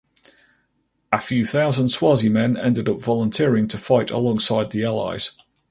A few thousand Swazi men ended up volunteering to fight alongside the Allies.